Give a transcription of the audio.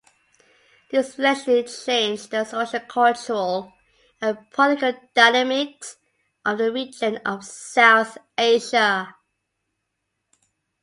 This essentially changed the socio-cultural and political dynamics of the region of South Asia.